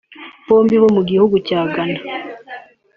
bombi bo mu gihugu cya Ghana